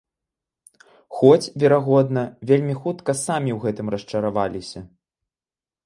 Хоць, верагодна, вельмі хутка самі ў гэтым расчараваліся.